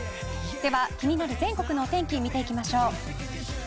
では、気になる全国のお天気を見ていきましょう。